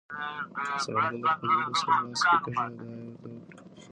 ثمرګل د خپل زوی په سر لاس کېکاږه او دعا یې ورته وکړه.